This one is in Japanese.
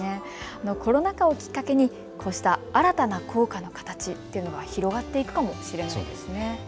コロナ禍をきっかけにこうした新たな校歌の形というのは広がっていくかもしれませんね。